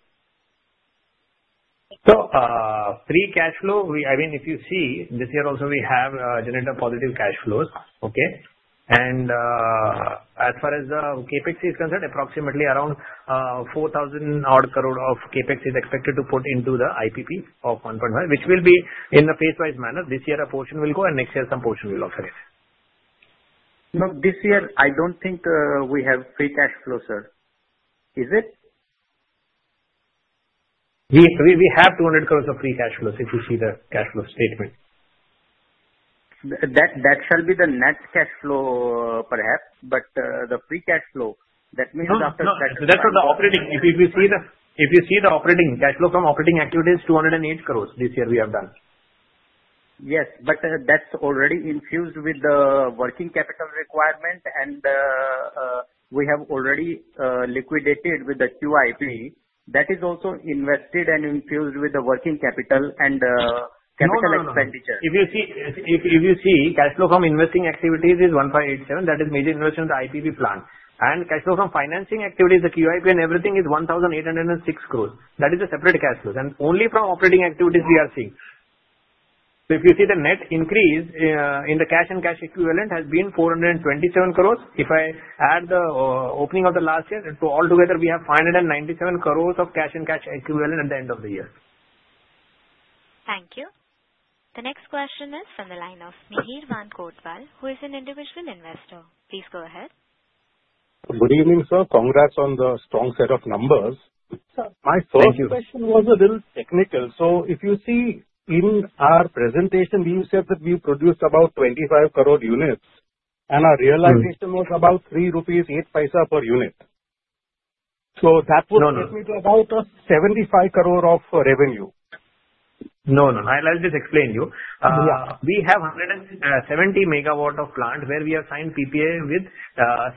Free cash flow, I mean, if you see, this year also we have generated positive cash flows. Okay. And as far as the CapEx is concerned, approximately around 4,000 crore of CapEx is expected to put into the IPP of 1.1, which will be in a phase-wise manner. This year, a portion will go, and next year, some portion will also go. Look, this year, I don't think we have free cash flow, sir. Is it? We have 200 crores of free cash flow if you see the cash flow statement. That shall be the net cash flow, perhaps, but the free cash flow, that means after. No, no. That's for the operating. If you see the operating cash flow from operating activities, 208 crores this year we have done. Yes, but that's already infused with the working capital requirement, and we have already liquidated with the QIP. That is also invested and infused with the working capital and capital expenditure. If you see, cash flow from investing activities is 1,587. That is major investment in the IPP plan. And cash flow from financing activities, the QIP and everything is 1,806 crores. That is a separate cash flow. And only from operating activities we are seeing. So if you see the net increase in the cash and cash equivalent has been 427 crores. If I add the opening of the last year, altogether, we have 597 crores of cash and cash equivalent at the end of the year. Thank you. The next question is from the line of Mihir V. Kotwal, who is an individual investor. Please go ahead. Good evening, sir. Congrats on the strong set of numbers. My first question was a little technical. So if you see, in our presentation, we said that we produced about 25 crore units, and our realization was about 3.08 rupees per unit. So that would take me to about 75 crore of revenue. No, no. I'll just explain to you. We have 170 MW of plant where we have signed PPA with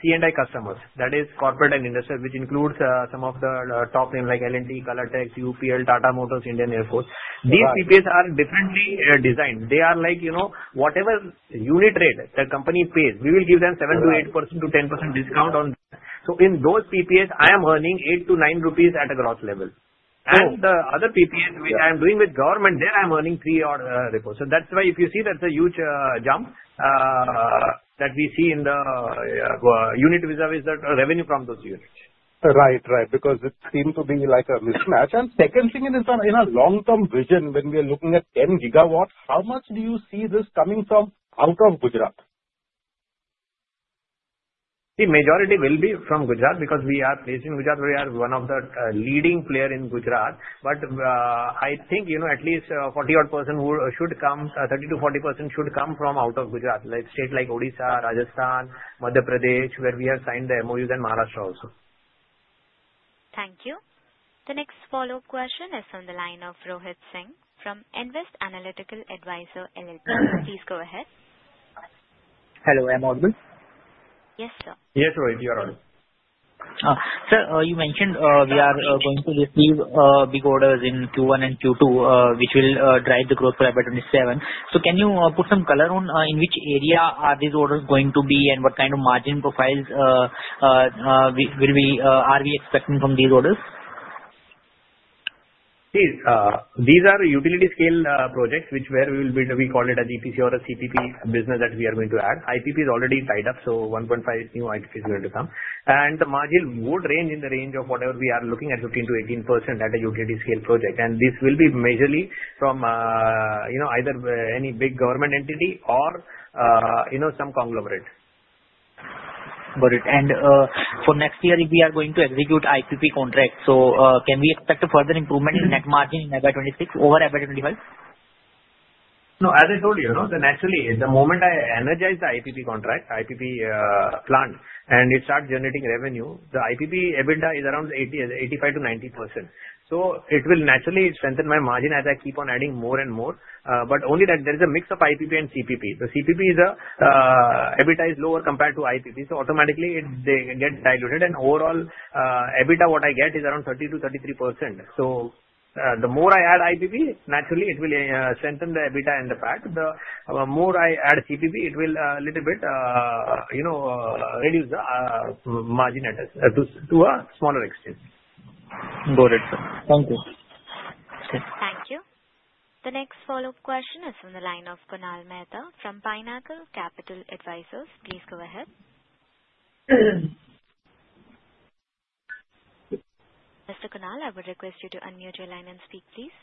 C&I customers. That is corporate and industrial, which includes some of the top names like L&T, Colourtex, UPL, Tata Motors, Indian Air Force. These PPAs are differently designed. They are like whatever unit rate the company pays, we will give them 7% to 8% to 10% discount on that. So in those PPAs, I am earning 8 to 9 rupees at a gross level. And the other PPAs which I am doing with government, there I am earning 3 or 4. So that's why if you see that's a huge jump that we see in the unit vis-à-vis the revenue from those units. Right, right. Because it seemed to be like a mismatch. And second thing is in our long-term vision, when we are looking at 10 gigawatts, how much do you see this coming from out of Gujarat? See, majority will be from Gujarat because we are placed in Gujarat. We are one of the leading players in Gujarat. But I think at least 40-odd% should come, 30% to 40% should come from out of Gujarat, like states like Odisha, Rajasthan, Madhya Pradesh, where we have signed the MOUs and Maharashtra also. Thank you. The next follow-up question is from the line of Rohit Singh from Nvest Analytical Advisors LLP. Please go ahead. Hello. Am I audible? Yes, sir. Yes, Rohit. You're audible. Sir, you mentioned we are going to receive big orders in Q1 and Q2, which will drive the growth for FY 27. So can you put some color on in which area are these orders going to be and what kind of margin profiles are we expecting from these orders? See, these are utility-scale projects where we will build. We call it an EPC or a CPP business that we are going to add. IPP is already tied up, so 1.5 new IPPs are going to come. The margin would range in the range of whatever we are looking at, 15%-18% at a utility-scale project. This will be majorly from either any big government entity or some conglomerate. Got it. And for next year, if we are going to execute IPP contracts, so can we expect a further improvement in net margin in FY26 over FY25? No, as I told you, naturally, the moment I energize the IPP contract, IPP plant, and it starts generating revenue, the IPP EBITDA is around 85%-90%. So it will naturally strengthen my margin as I keep on adding more and more. But only that there is a mix of IPP and CPP. The CPP is EBITDA is lower compared to IPP. So automatically, they get diluted. And overall, EBITDA what I get is around 30%-33%. So the more I add IPP, naturally, it will strengthen the EBITDA and the fact. The more I add CPP, it will a little bit reduce the margin to a smaller extent. Got it, sir. Thank you. Thank you. The next follow-up question is from the line of Kunal Mehta from Pineapple Capital Advisors. Please go ahead. Mr. Kunal, I would request you to unmute your line and speak, please.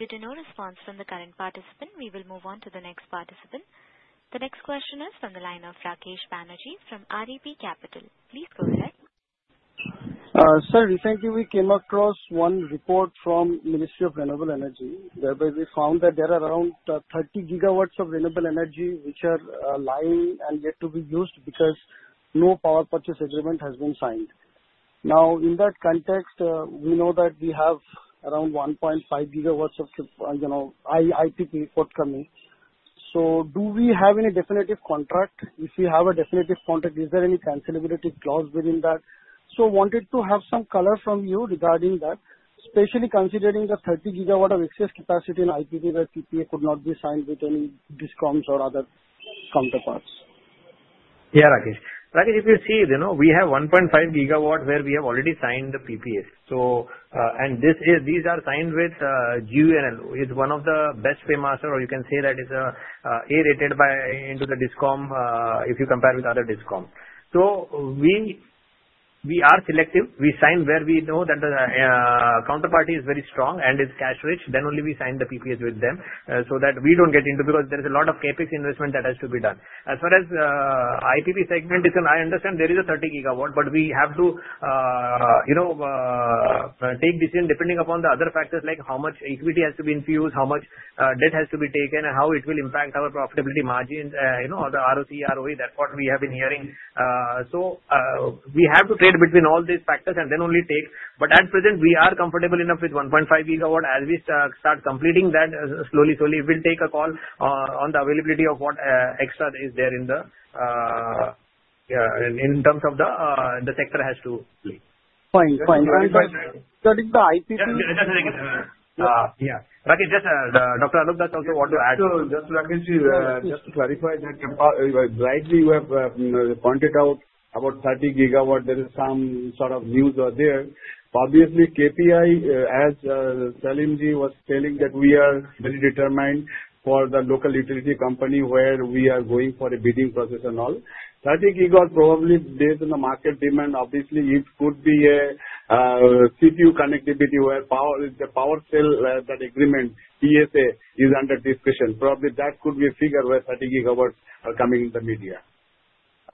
Due to no response from the current participant, we will move on to the next participant. The next question is from the line of Rakesh Banerjee from RAP Capital. Please go ahead. Sir, recently we came across one report from Ministry of Renewable Energy. Therefore, we found that there are around 30 gigawatts of renewable energy which are lying and yet to be used because no power purchase agreement has been signed. Now, in that context, we know that we have around 1.5 gigawatts of IPP forthcoming, so do we have any definitive contract? If we have a definitive contract, is there any cancelability clause within that, so wanted to have some color from you regarding that, especially considering the 30 gigawatts of excess capacity in IPP where PPA could not be signed with any discoms or other counterparties. Yeah, Rakesh. Rakesh, if you see, we have 1.5 gigawatt where we have already signed the PPA. And these are signed with GUVNL. It's one of the best paymasters, or you can say that it's A-rated by ICRA. In terms of the discount if you compare with other discoms. So we are selective. We sign where we know that the counterparty is very strong and is cash rich. Then only we sign the PPAs with them so that we don't get into because there is a lot of CapEx investment that has to be done. As far as IPP segment is, and I understand there is a 30 gigawatt, but we have to take decision depending upon the other factors like how much equity has to be infused, how much debt has to be taken, and how it will impact our profitability margin, the ROCE, ROE than what we have been hearing. So we have to trade between all these factors and then only take. But at present, we are comfortable enough with 1.5 gigawatt. As we start completing that slowly, slowly, we'll take a call on the availability of what extra is there in terms of the sector has to play. Fine, fine. That is the IPP. Yeah. Rakesh, just Dr. Alok, that's also what to add to. Just, Rakesh, just to clarify that rightly, you have pointed out about 30 gigawatts. There is some sort of news there. Obviously, KPI, as Salimji was telling, that we are very determined for the local utility company where we are going for a bidding process and all. 30 gigawatts probably based on the market demand. Obviously, it could be a CPP connectivity where the Power Sale Agreement, PSA, is under discussion. Probably that could be a figure where 30 gigawatts are coming in the media.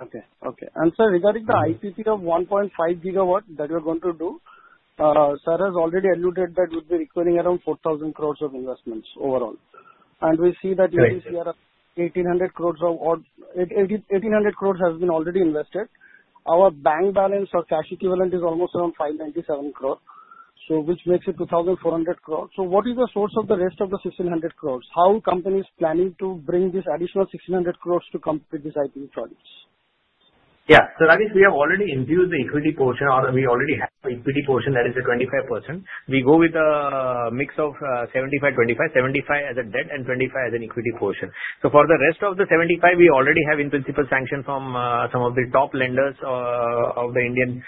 Okay. Okay. And sir, regarding the IPP of 1.5 gigawatt that we are going to do, sir has already alluded that we'll be requiring around 4,000 crores of investments overall. And we see that this year 1,800 crores has been already invested. Our bank balance or cash equivalent is almost around 597 crore, which makes it 2,400 crore. So what is the source of the rest of the 1,600 crores? How are companies planning to bring this additional 1,600 crores to complete these IPP projects? Yeah. So, Rakesh, we have already infused the equity portion. We already have an equity portion that is 25%. We go with a mix of 75-25, 75 as a debt and 25 as an equity portion. So for the rest of the 75, we already have in principle sanctioned from some of the top lenders of the Indian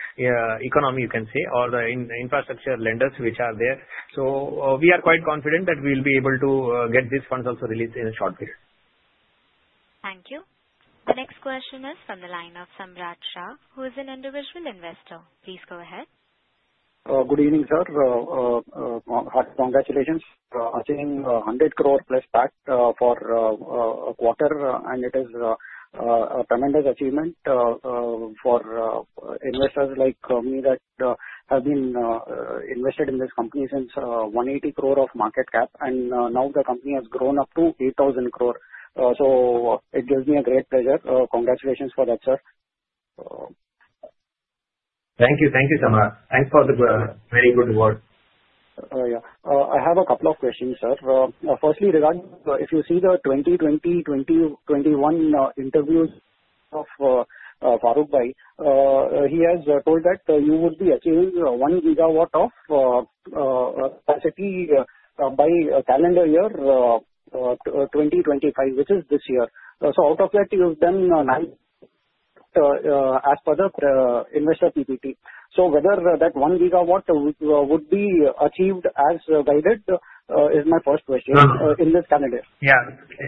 economy, you can say, or the infrastructure lenders which are there. So we are quite confident that we will be able to get these funds also released in a short period. Thank you. The next question is from the line of Samrat Shah, who is an individual investor. Please go ahead. Good evening, sir. Congratulations. I think 100 crore plus PAT for a quarter, and it is a tremendous achievement for investors like me that have been invested in this company since 180 crore of market cap, and now the company has grown up to 8,000 crore, so it gives me a great pleasure. Congratulations for that, sir. Thank you. Thank you, Samrat. Thanks for the very good work. Yeah. I have a couple of questions, sir. Firstly, regarding if you see the 2020, 2021 interviews of Farukbhai, he has told that you would be achieving one gigawatt of capacity by calendar year 2025, which is this year. So out of that, you've done nine as per the investor PPT. So whether that one gigawatt would be achieved as guided is my first question in this context. Yeah.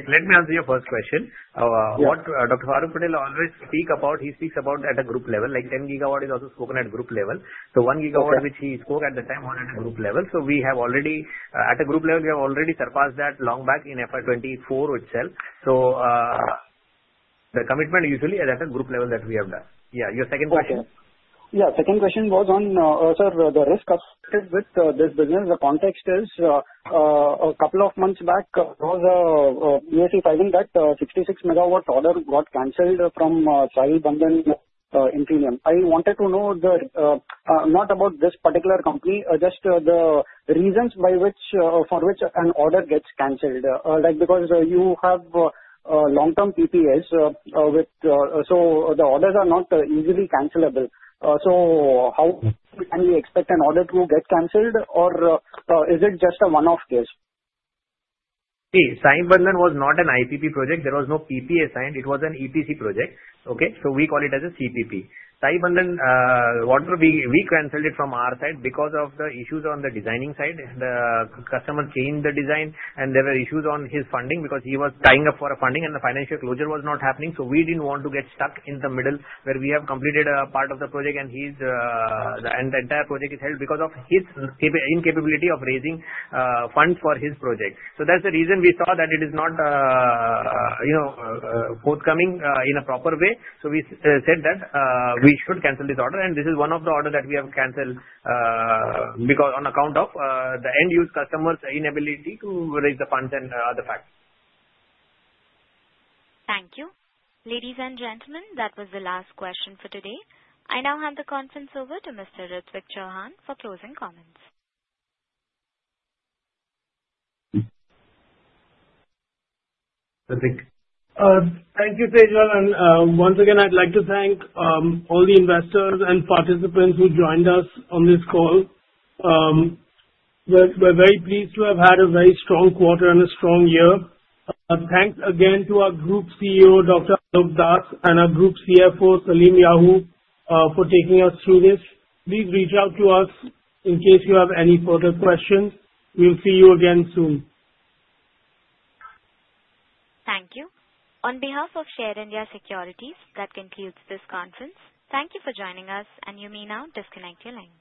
Let me answer your first question. Dr. Faruk will always speak about. He speaks about at a group level. Like 10 gigawatt is also spoken at group level. So 1 gigawatt, which he spoke at the time, was at a group level. So we have already at a group level, we have already surpassed that long back in FY24 itself. So the commitment usually is at a group level that we have done. Yeah. Your second question. Yeah. Second question was on, sir, the risk of with this business. The context is a couple of months back you were citing that 66 MW order got canceled from Saibandhan Infinium. I wanted to know not about this particular company, just the reasons for which an order gets canceled. Because you have long-term PPAs, so the orders are not easily cancelable. So how can we expect an order to get canceled, or is it just a one-off case? See, Sai Bandhan was not an IPP project. There was no PPA signed. It was an EPC project. Okay? So we call it as a CPP. Saibandhan, which we canceled it from our side because of the issues on the designing side. The customer changed the design, and there were issues on his funding because he was tying up for a funding, and the financial closure was not happening. So we didn't want to get stuck in the middle where we have completed a part of the project, and the entire project is held because of his incapability of raising funds for his project. So that's the reason we saw that it is not forthcoming in a proper way. So we said that we should cancel this order. This is one of the orders that we have canceled on account of the end-use customer's inability to raise the funds and other facts. Thank you. Ladies and gentlemen, that was the last question for today. I now hand the conference over to Mr. Ritvik Chauhan for closing comments. Ritvik. Thank you, Tejal, and once again, I'd like to thank all the investors and participants who joined us on this call. We're very pleased to have had a very strong quarter and a strong year. Thanks again to our Group CEO, Dr. Alok Das, and our Group CFO, Salim Yahoo, for taking us through this. Please reach out to us in case you have any further questions. We'll see you again soon. Thank you. On behalf of Share India Securities, that concludes this conference. Thank you for joining us, and you may now disconnect your lines.